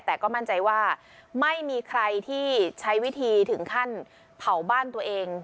แต่ก็มั่นใจว่าไม่มีใครที่ใช้วิธีถึงขั้นเผาบ้านตัวเอง